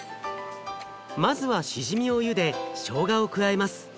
まずはしじみをゆでしょうがを加えます。